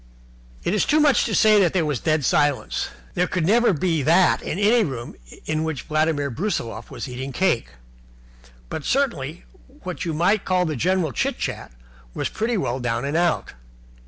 It is too much to say that there was a dead silence. There could never be that in any room in which Vladimir Brusiloff was eating cake. But certainly what you might call the general chit chat was pretty well down and out.